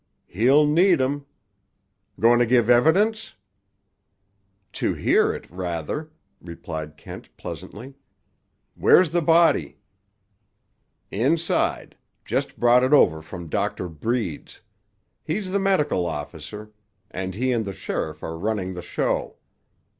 "He'll need 'em. Going to give evidence?" "To hear it, rather," replied Kent pleasantly. "Where's the body?" "Inside. Just brought it over from Doctor Breed's. He's the medical officer, and he and the sheriff are running the show.